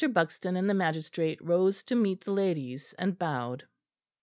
Buxton and the magistrate rose to meet the ladies and bowed.